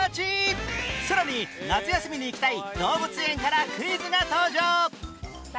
さらに夏休みに行きたい動物園からクイズが登場